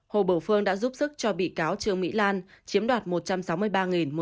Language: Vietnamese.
hồ bửu phương đã giúp sức cho bị cáo trương mỹ lan chiếm đoạt một trăm sáu mươi ba một trăm năm mươi năm tỷ đồng